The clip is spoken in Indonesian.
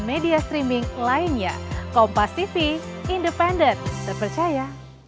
melalui film yang saya punya